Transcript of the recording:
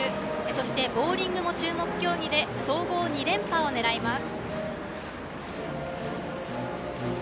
そして、ボウリングも注目競技で総合２連覇を狙います。